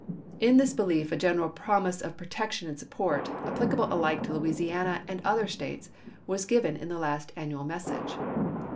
In this belief a general promise of protection and support, applicable alike to Louisiana and other States, was given in the last annual message.